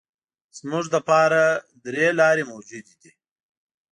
زموږ لپاره درې لارې موجودې دي.